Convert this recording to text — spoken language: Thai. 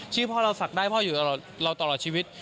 ชื่อพ่อเราศักดิ์ได้พ่ออยู่ตลอดชีวิต